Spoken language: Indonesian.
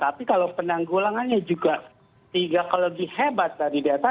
tapi kalau penanggulangannya juga tiga kali hebat dari delta